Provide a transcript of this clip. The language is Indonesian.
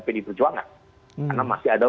pdi perjuangan karena masih ada